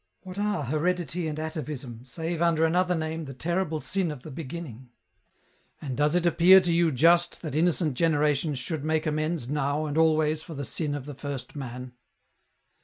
What are heredity and atavism, save, under another name, the terrible sin of the beginning ?"" And does it appear to you just that innocent generations should make amends now and always for the sin of the first man